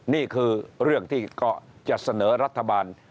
นี่คือเรื่องที่ก็จะเสนอรัฐบาล